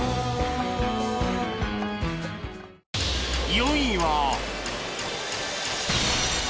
４位は